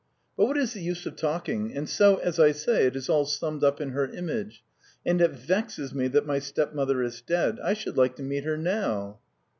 But what is the use of talking! And so, as I say, it is all summed up in her image. ... And it vexes me that my stepmother is dead. I should like to meet her now!"